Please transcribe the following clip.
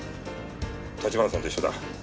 橘さんと一緒だ。